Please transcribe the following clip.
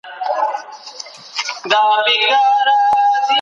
تاسو بايد د خپلو پلرونو فکري لاره په دقت وڅېړئ.